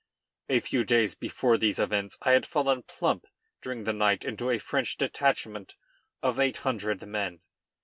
A few days before these events I had fallen plump, during the night, into a French detachment of eight hundred men.